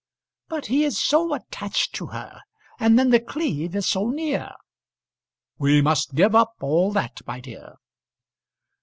"But he is so attached to her. And then The Cleeve is so near." "We must give up all that, my dear."